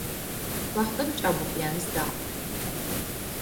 ვახტანგ ჭაბუკიანის და.